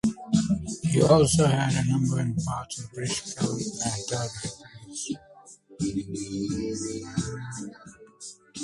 He also had a number of parts in British film and television productions.